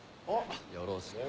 よろしく。